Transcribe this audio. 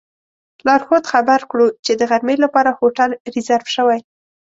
لارښود خبر کړو چې د غرمې لپاره هوټل ریزرف شوی.